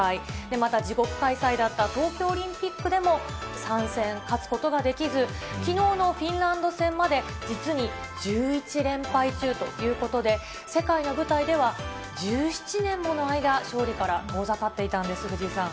また自国開催だった東京オリンピックでも、３戦、勝つことができず、きのうのフィンランド戦まで実に１１連敗中ということで、世界の舞台では、１７年もの間、勝利から遠ざかっていたんです、藤井さん。